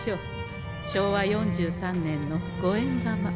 昭和４３年の五円玉。